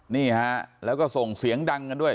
นี่ฮะแล้วก็ส่งเสียงดังกันด้วย